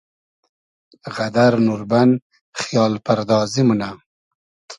غئدئر نوربئن خییال پئردازی مونۂ